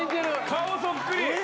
顔そっくり。